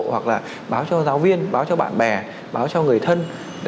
hoặc là báo cho giáo viên báo cho bạn bè báo cho người thân